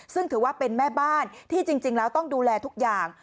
ซึ่งถือว่าเป็นแม่บ้านที่จริงแล้วต้องดูแลทุกอย่าง